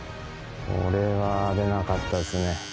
これは出なかったですね。